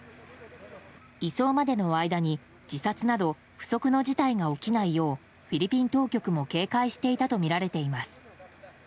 移送までの間に自殺など不測の事態が起きないようフィリピン当局も警戒していたとみられています。